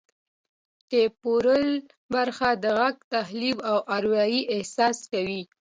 ټمپورل برخه د غږ تحلیل او اروايي احساس کوي